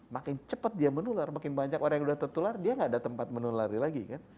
makin cepat dia menular makin banyak orang yang sudah tertular dia gak ada tempat menulari lagi kan